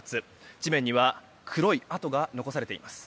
地面には黒い跡が残されています。